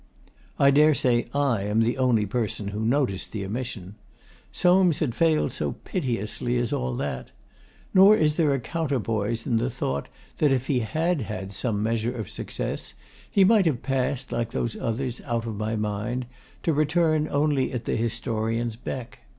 I daresay I am the only person who noticed the omission. Soames had failed so piteously as all that! Nor is there a counterpoise in the thought that if he had had some measure of success he might have passed, like those others, out of my mind, to return only at the historian's beck.